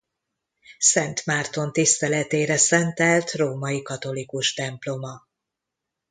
Szent Márton tiszteletére szentelt római katolikus temploma.